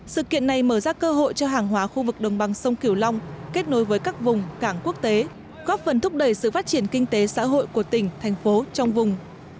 sự kiện này mở ra cơ hội cho hàng hóa khu vực đồng bằng sông kiểu long kết nối với các vùng cảng quốc tế góp phần thúc đẩy sự phát triển kinh tế xã hội của tỉnh thành phố trong vùng